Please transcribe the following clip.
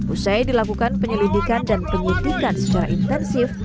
usai dilakukan penyelidikan dan penyidikan secara intensif